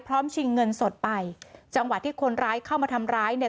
ชิงเงินสดไปจังหวะที่คนร้ายเข้ามาทำร้ายเนี่ย